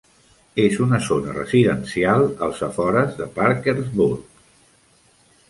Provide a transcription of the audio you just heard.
És una zona residencial als afores de Parkersburg.